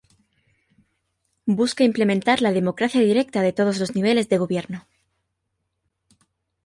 Busca implementar la democracia directa en todos los niveles de gobierno.